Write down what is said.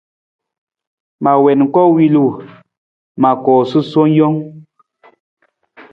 Ma wiin koowilu, ma koo sasuwe jang.